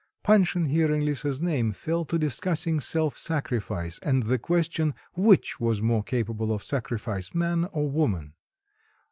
Panshin, hearing Lisa's name, fell to discussing self sacrifice and the question which was more capable of sacrifice man or woman.